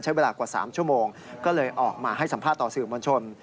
ใช้เวลากว่า๓ชั่วโมงก็เลยออกมาให้สัมภาษณ์ต่อสื่อมวลชน